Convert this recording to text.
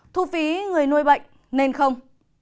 thu phí người nuôi bệnh nên không